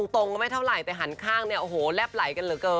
ตรงก็ไม่เท่าไหร่แต่หันข้างเนี่ยโอ้โหแลบไหลกันเหลือเกิน